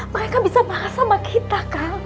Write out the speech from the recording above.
mereka bisa marah sama kita kak